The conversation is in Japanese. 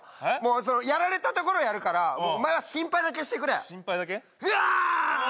やられたところやるからお前は心配だけしてくれうわあっ！